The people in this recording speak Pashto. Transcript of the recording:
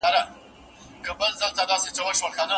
چي یو قند د یار د خولې په هار خرڅیږي